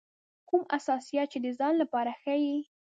کوم حساسیت چې د ځان لپاره ښيي.